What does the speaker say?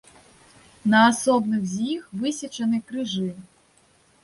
На асобных з іх высечаны крыжы.